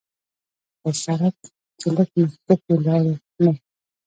پۀ سړک چې لږ مخکښې لاړو نو